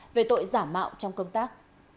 về tội giả mạo trong công tác